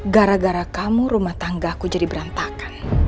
gara gara kamu rumah tangga aku jadi berantakan